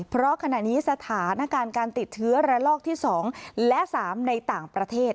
เพราะขณะนี้สถานการณ์การติดเชื้อระลอกที่๒และ๓ในต่างประเทศ